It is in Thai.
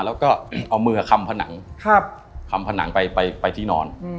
แล้วก็เอามือคำผนังคำผนังไปที่นอน